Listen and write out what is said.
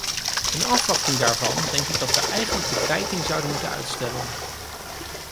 In afwachting daarvan denk ik dat wij eigenlijk de kwijting zouden moeten uitstellen.